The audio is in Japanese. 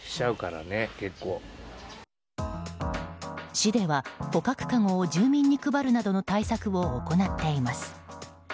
市では、捕獲かごを住民に配るなどの対策を行っています。